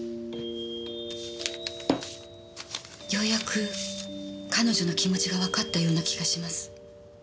ようやく彼女の気持ちがわかったような気がします。